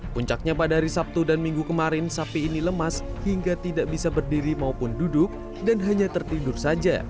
puncaknya pada hari sabtu dan minggu kemarin sapi ini lemas hingga tidak bisa berdiri maupun duduk dan hanya tertidur saja